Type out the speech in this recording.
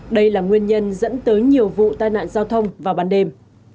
đây là nguyên nhân dẫn tới nhiều vụ tai nạn giao thông vào ban đêm